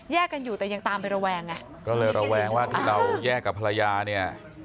กันอยู่แต่ยังตามไประแวงไงก็เลยระแวงว่าที่เราแยกกับภรรยาเนี่ย